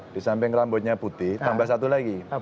disamping rambutnya putih tambah satu lagi